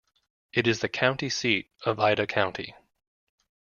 It is the county seat of Ida County.